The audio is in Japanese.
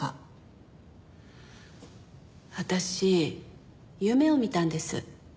私夢を見たんです。